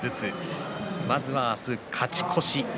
まずは明日、勝ち越し